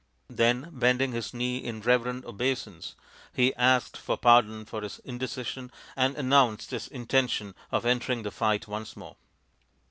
Then bending his knee in reverent obeisance he asked for pardon for his indecision and announced his intention of entering the fight once more.